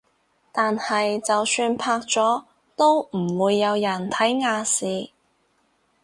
但係就算拍咗都唔會有人睇亞視